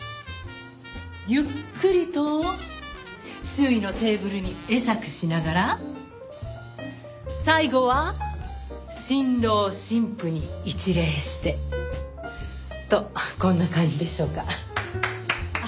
ゆっくりと周囲のテーブルに会釈しながら最後は新郎新婦に一礼して。とこんな感じでしょうか。